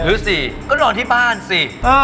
หรือสิก็นอนที่บ้านสิ